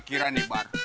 gimana sih bar